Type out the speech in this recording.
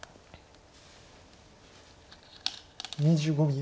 ２５秒。